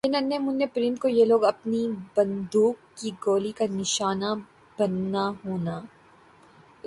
یِہ ننھے مننھے پرند کو یِہ لوگ اپنی بندوق کرنا گولی کا نشانہ بننا ہونا